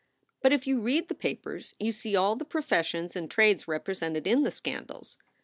" But if you read the papers you see all the professions and trades represented in the scandals.